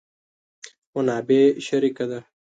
منابع شریکه ده.